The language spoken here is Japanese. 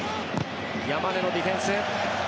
山根のディフェンス。